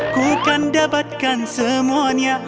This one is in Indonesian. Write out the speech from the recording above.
ku kan dapatkan semuanya